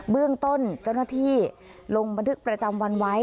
เรื่องต้นเจ้าหน้าที่ลงบันทึกประจำวันไว้